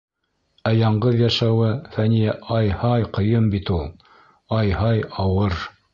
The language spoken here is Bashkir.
Ә яңғыҙ йәшәүе, Фәниә, ай-һай, ҡыйын бит ул. Айһай, ауыр!..